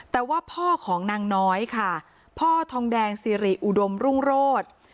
แต่ว่าพ่อของนางน้อยค่ะพ่อทองแดงสิริอุดมรุ่งโรธ